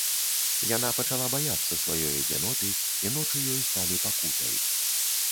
Яна пачала баяцца сваёй адзіноты, і ночы ёй сталі пакутай.